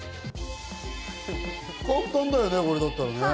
簡単だよね、これだったらね。